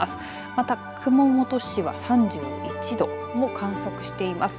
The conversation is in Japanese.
また、熊本市は３１度を観測しています。